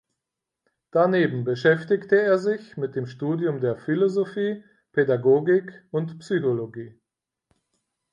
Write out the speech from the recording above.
Daneben beschäftigte er sich mit dem Studium der Philosophie, Pädagogik und Psychologie.